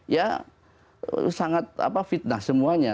ya sangat fitnah semuanya